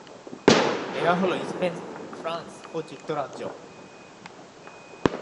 এরা হল Spain, France ও যুক্তরাজ্য।